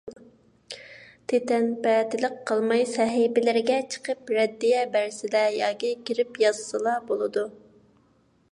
تىتەنپەتىلىك قىلماي، سەھىپىلىرىگە چىقىپ رەددىيە بەرسىلە، ياكى كىرىپ يازسىلا بولىدۇ.